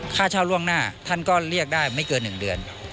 ค่าเช่าล่วงหน้าท่านก็เรียกได้ไม่เกิน๑เดือน